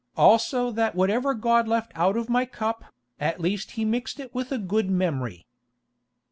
Also that whatever God left out of my cup, at least He mixed it with a good memory."